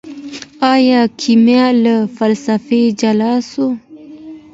ايا کيميا له فلسفې جلا سوه؟